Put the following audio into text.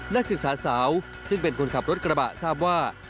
นักศึกษาสาวซึ่งเป็นคนขับรถกระบะทราบว่า